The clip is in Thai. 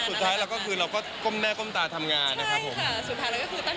สุดท้ายเราก็คือเราก็ก้มแม่ก้มตาทำงานนะครับผม